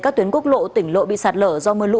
các tuyến quốc lộ tỉnh lộ bị sạt lở do mưa lũ